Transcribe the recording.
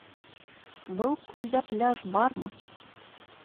Был күлдә пляж бармы?